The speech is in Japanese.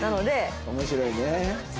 面白いね。